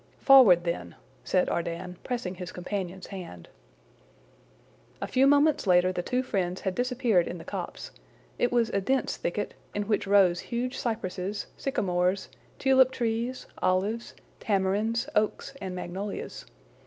"Forward, then," said Ardan, pressing his companion's hand. A few moments later the two friends had disappeared in the copse. It was a dense thicket, in which rose huge cypresses, sycamores, tulip trees, olives, tamarinds, oaks, and magnolias.